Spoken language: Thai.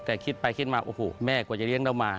แต่คิดไปคิดมาโอ้โหแม่กว่าจะเลี้ยงเรามา